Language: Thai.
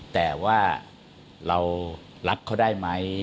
แต่ว่าเรารักเขาได้ไหม